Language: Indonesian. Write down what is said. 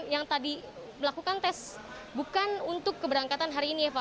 yang tadi melakukan tes bukan untuk keberangkatan hari ini eva